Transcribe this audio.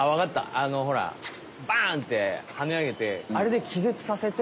あのほらバンッてはねあげてあれできぜつさせて。